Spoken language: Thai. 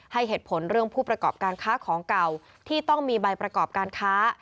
ให้เหตุผลเรื่องผู้ประกอบการค้าของเก่าที่ต้องมีใบประกอบการค้า